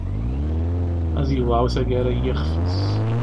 Ad yewɛu taggara n yixf-is.